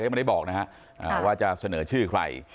ไม่ได้บอกนะฮะว่าจะเสนอชื่อใคร